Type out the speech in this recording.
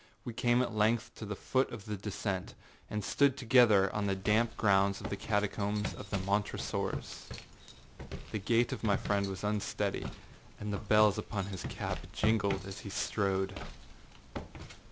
We came at length to the foot of the descent, and stood together on the damp ground of the catacombs of the Montresors. The gait of my friend was unsteady, and the bells upon his cap jingled as he strode.